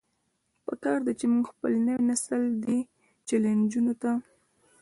پکار ده چې مونږ خپل نوے نسل دې چيلنجونو ته